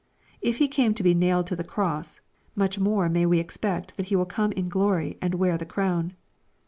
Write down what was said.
If he came ta be nailed to the cross, much more may we expect that He will come in glory and wear the crown.